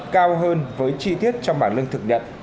cao hơn với chi tiết trong bảng lương thực nhận